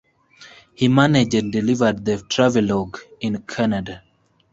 He managed and delivered the travelogue in Canada.